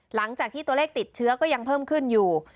หลังจากที่ตัวเลขติดเชื้อก็ยังเพิ่มขึ้นอยู่